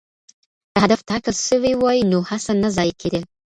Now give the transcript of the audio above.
که هدف ټاکل سوی وای نو هڅه نه ضایع کېدل.